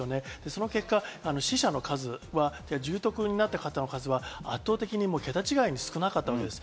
その結果、死者の数は重篤になった方の数は圧倒的にケタ違いに少なかったわけです。